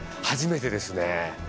初めてですね。